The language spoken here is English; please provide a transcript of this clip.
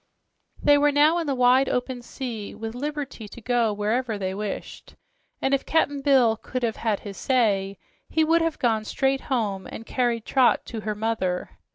They were now in the wide, open sea, with liberty to go wherever they wished, and if Cap'n Bill could have "had his way," he would have gone straight home and carried Trot to her mother.